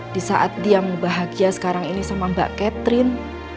di saat dia mau bahagia sekarang ini sama mbak catherine